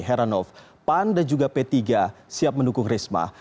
heranov pan dan juga p tiga siap mendukung risma